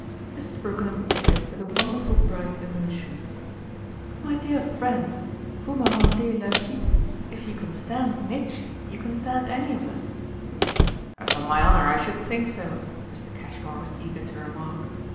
Mrs. Brookenham took it with a wonderful bright emotion. "My dear friend, vous me rendez la vie! If you can stand Mitchy you can stand any of us!" "Upon my honour I should think so!" Mr. Cashmore was eager to remark.